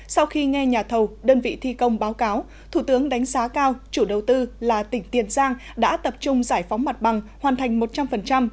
sau khi nghe nhà thầu đơn vị thi công báo cáo thủ tướng đánh giá cao chủ đầu tư là tỉnh tiền giang đã tập trung giải phóng mặt bằng hoàn thành một trăm linh